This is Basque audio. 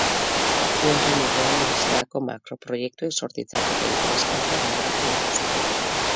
Guggenheim Urdaibai bezalako makroproiektuek sor ditzaketen triskantzak gogoratu dituzte.